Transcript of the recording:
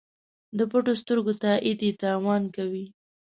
د پټو سترګو تایید یې تاوان کوي.